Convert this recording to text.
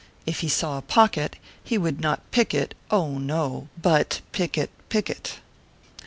If he saw a pocket, he would not pick it oh, no ! But pick it picket.